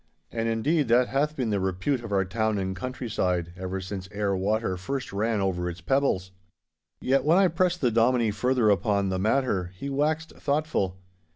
And indeed that hath been the repute of our town and countryside ever since Ayr water first ran over its pebbles! Yet when I pressed the Dominie further upon the matter, he waxed thoughtful.